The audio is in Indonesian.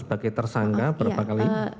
sebagai tersangka berapa kali